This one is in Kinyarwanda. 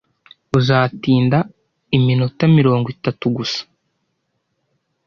Uzatinda iminota mirongo itatu gusa